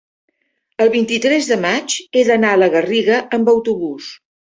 el vint-i-tres de maig he d'anar a la Garriga amb autobús.